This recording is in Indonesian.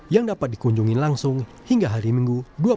yang dapat dikunjungi langsung hingga hari minggu